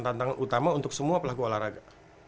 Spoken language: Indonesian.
tantangan utama untuk semua pelaku olahraga